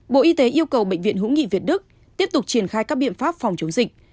bộ y tế yêu cầu bệnh viện hữu nghị việt đức tiếp tục triển khai các biện pháp phòng chống dịch